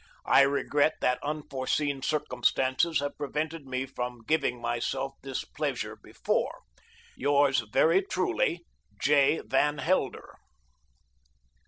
I regret that unforseen circumstances have prevented me from giving myself this pleasure before. "Yours very truly, "J. VAN HELDER."